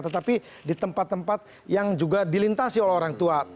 tetapi di tempat tempat yang juga dilintasi oleh orang tua